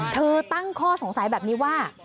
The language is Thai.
ตั้งข้อสงสัยแบบนี้ว่า